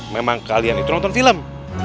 memang kalian itu nonton film